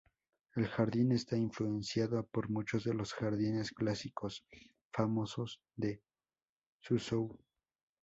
El jardín está influenciado por muchos de los jardines clásicos famosos de Suzhou.